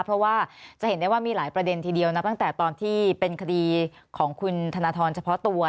เพราะว่าจะเห็นได้ว่ามีหลายประเด็นทีเดียวนะตั้งแต่ตอนที่เป็นคดีของคุณธนทรเฉพาะตัว